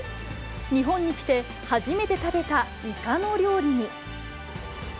日本に来て初めて食べたイカの料理に。